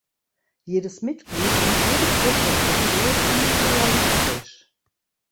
Jedes Mitglied und jede Gruppe operiert individualistisch.